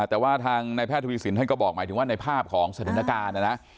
แต่ว่าทางนายแพทย์ทวีสินท่านก็บอกหมายถึงว่าในภาพของสถานการณ์นะนะ